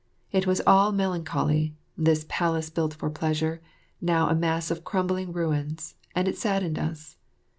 It all was melancholy, this palace built for pleasure, now a mass of crumbling ruins, and it saddened us.